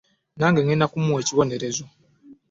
Nange ŋŋenda kumuwa ekibonerezo.